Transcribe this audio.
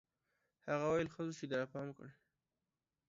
هغه ويل ښه سو چې راپام دي کړ.